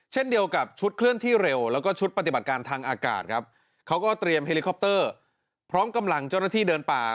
เช่นเดียวกับชุดเคลื่อนที่เร็วแล้วก็ชุดปฏิบัติการทางอากาศครับเขาก็เตรียมเฮลิคอปเตอร์พร้อมกำลังเจ้าหน้าที่เดินป่า